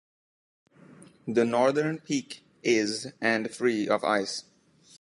The northern peak is and free of ice.